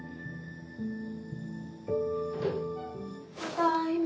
ただいま。